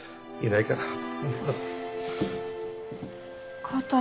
哲平いないから。